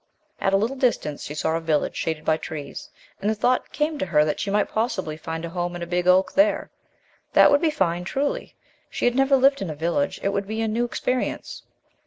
At a little distance, she saw a village, shaded by trees, and the thought came to her that she might possibly find a home in a big oak there. That would be fine, truly. She had never lived in a village, it would be a new experience.